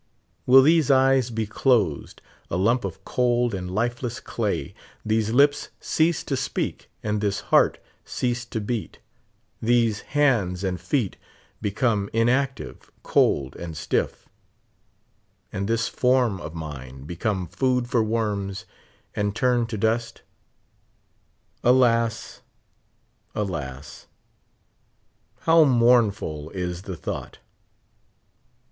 Will these eyes be closed, a lump of cold and lifeless clay ; these lips cease to speak, and this heart cease to beat; these hands and feet become inactive, cold and stiff; and this form of mine become food for worms, and turn to dust? Alas ! alas ! how mournful is the thought